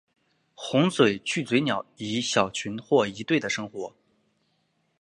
红嘴巨嘴鸟以小群或一对的生活。